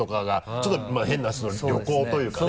ちょっとまぁ変な話旅行というかね。